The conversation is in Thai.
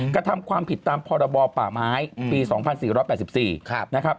กระทำความผิดตามพรบป่าไม้ปี๒๔๘๔นะครับ